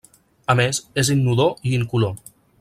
A més, és inodor i incolor.